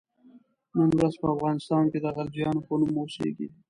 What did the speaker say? نن ورځ په افغانستان کې د غلجیانو په نوم اوسیږي.